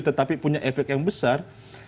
tetapi punya efek yang besar